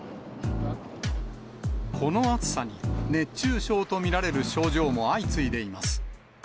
この暑さに、熱中症と見られる症状も相次いでいます。